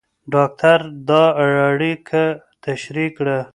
ډاکټر دا اړیکه تشریح کړه.